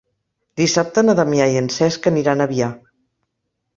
Dissabte na Damià i en Cesc aniran a Biar.